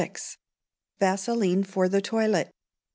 Vaseline for the Toilet.